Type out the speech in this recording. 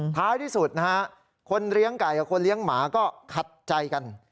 ท้ายที่สุดนะฮะคนเลี้ยงไก่กับคนเลี้ยงหมาก็ขัดใจกัน